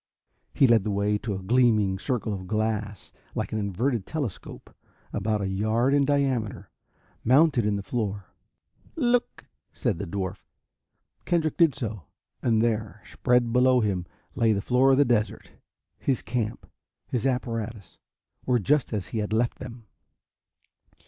He led the way to a gleaming circle of glass like an inverted telescope, about a yard in diameter, mounted in the floor. "Look!" said the dwarf. Kendrick did so and there, spread below him, lay the floor of the desert. His camp, his apparatus, were just as he had left them.